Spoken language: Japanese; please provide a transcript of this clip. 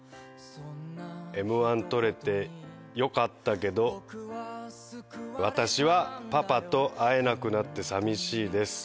『Ｍ−１』取れてよかったけど私はパパと会えなくなって寂しいです。